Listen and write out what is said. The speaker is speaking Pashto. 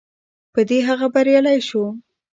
په دې هغه بریالی شو.